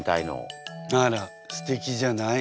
あらすてきじゃない？